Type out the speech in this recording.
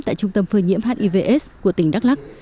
tại trung tâm phơi nhiễm hivs của tỉnh đắk lắc